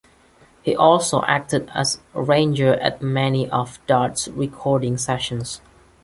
He also acted as arranger at many of Dodd's recording sessions.